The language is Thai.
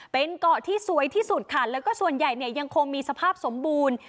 เป็นเกาะที่สวยที่สุดค่ะแล้วก็ส่วนใหญ่เนี่ยยังคงมีสภาพสมบูรณ์